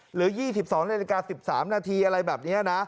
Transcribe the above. หรือ๒๒นาฬิกาสิบสามนาทีอะไรแบบนี้